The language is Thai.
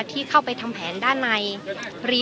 ที่เข้าไปทำแผนด้านใน